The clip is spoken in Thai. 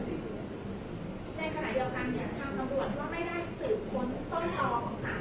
แต่ว่าไม่มีปรากฏว่าถ้าเกิดคนให้ยาที่๓๑